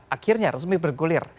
akhirnya resmi bergulir